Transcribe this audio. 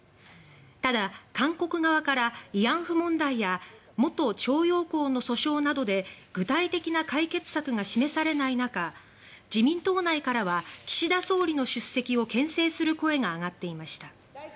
ただ、韓国側から慰安婦問題や元徴用工の訴訟などで具体的な解決策が示されない中自民党内からは岸田総理の出席をけん制する声が上がっていました。